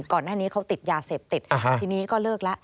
ก่อนหน้านี้เขาติดยาเสพติดทีนี้ก็เลิกแล้ว